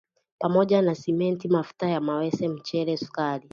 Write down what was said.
pamoja na Simenti, mafuta ya mawese, mchele, sukari